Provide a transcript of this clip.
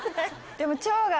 でも。